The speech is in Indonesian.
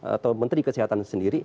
atau menteri kesehatan sendiri